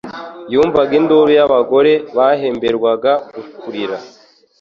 Yumvaga induru y'abagore bahemberwaga kurira;